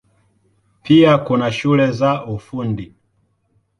Pia kuna shule za Ufundi.